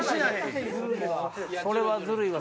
それはずるいわ！